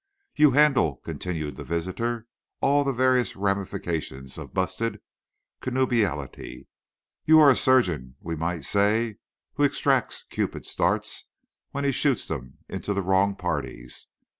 "You handle," continued the visitor, "all the various ramifications of busted up connubiality. You are a surgeon, we might say, who extracts Cupid's darts when he shoots 'em into the wrong parties.